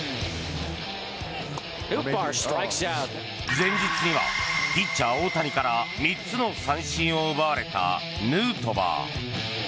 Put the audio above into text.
前日にはピッチャー・大谷から３つの三振を奪われたヌートバー。